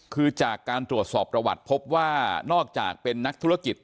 คือจากการตรวจสอบประวัติพบว่านอกจากเป็นนักธุรกิจ